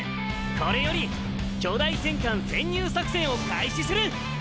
これより巨大戦艦潜入作戦を開始する！